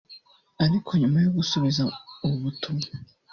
ariko nyuma yo gusubiza ubu butumwa